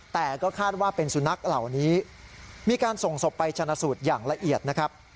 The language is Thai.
แต่ก็คาดว่าเป็นสุนัขเหล่านี้มีการส่งศพไปชนะสูตรอย่างละเอียดนะครับ